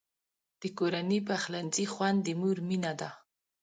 د کورني پخلنځي خوند د مور مینه ده.